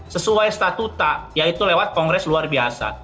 sesuai statuta yaitu lewat kongres luar biasa